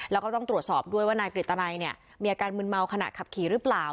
แล้วก็ต้องตรวจสอบด้วยว่านายกฤตนัยเนี่ยมีอาการมึนเมาขณะขับขี่หรือเปล่า